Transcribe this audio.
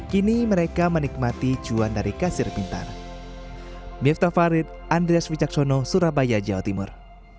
kini mereka menikmati cuan dari kasir pintar